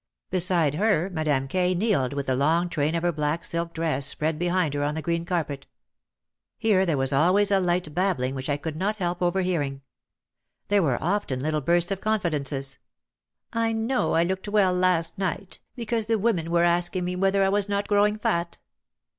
Beside her Madame K. kneeled with the long train of her black silk dress spread behind her on the green carpet. Here there was always a light babbling which I could not help overhearing. There were often little bursts of con fidences. "I know I looked well last night, because the women were asking me whether I was not growing fat."